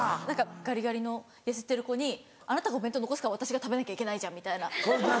ガリガリの痩せてる子に「あなたがお弁当残すから私が食べなきゃいけないじゃん」みたいな。